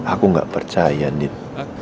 aku gak percaya nid